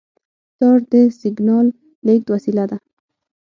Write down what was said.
تار د سیګنال لېږد وسیله ده.